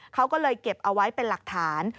เขาก็เลยเก็บเอาไว้เป็นหลักฐาน